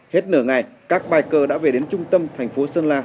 hết nửa ngày các biker đã về đến trung tâm thành phố sơn la